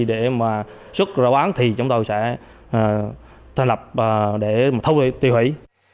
để mà xuất ra bán thì chúng tôi sẽ thành lập để thâu tiêu hủy